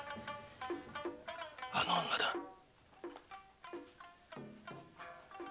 あの女だ。